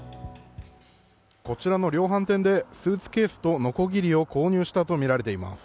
こちらの量販店でスーツケースとのこぎりを購入したとみられています。